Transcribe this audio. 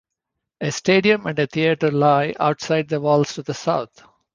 A stadium and a theatre lie outside the walls to the south.